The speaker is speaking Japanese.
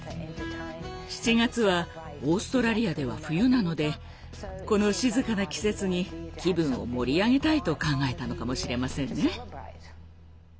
７月はオーストラリアでは冬なのでこの静かな季節に気分を盛り上げたいと考えたのかもしれませんね。